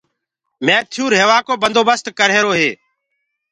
ميٿيو ريهوآ ڪو بندوبست ڪرريهرو هي